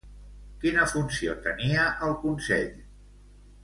Quina funció tenia el consell?